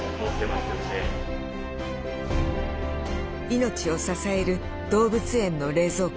命を支える動物園の冷蔵庫。